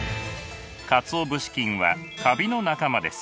かつお節菌はカビの仲間です。